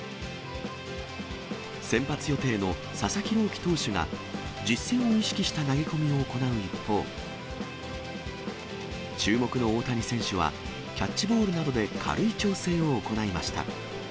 先発予定の佐々木朗希投手が、実戦を意識した投げ込みを行う一方、注目の大谷選手は、キャッチボールなどで軽い調整を行いました。